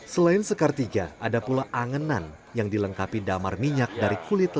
selain sekar tiga ada pula anganan yang dilengkapi damar minyak dari kulit